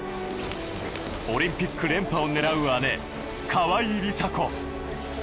オリンピック連覇をねらう姉・川井梨紗子。